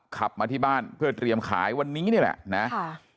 ขับมาที่บ้านเพื่อเตรียมขายวันนี้นี่แหละนะ